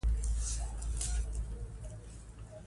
باسواده ښځې د هوسا ژوند خاوندانې دي.